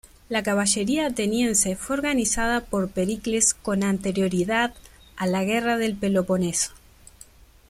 La caballería ateniense fue organizada por Pericles con anterioridad a la Guerra del Peloponeso.